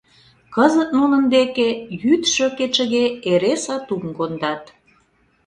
Кызыт нунын деке йӱдшӧ-кечыге эре сатум кондат...